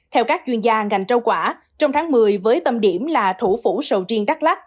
theo các chuyên gia ngành rau quả trong tháng một mươi với tầm điểm là thủ phủ sầu riêng đắk lắk